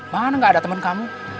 mana gak ada teman kamu